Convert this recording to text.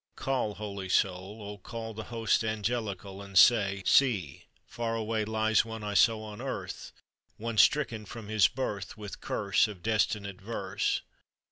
Call, holy soul, O call The hosts angelical, And say, "See, far away "Lies one I saw on earth; One stricken from his birth With curse Of destinate verse.